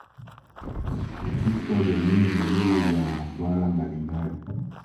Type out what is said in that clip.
walifundisha jamii juu ya masuala mbalimbali